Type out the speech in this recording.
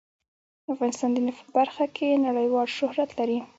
افغانستان د نفت په برخه کې نړیوال شهرت لري.